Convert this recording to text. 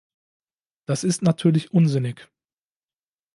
Das ist natürlich unsinnig.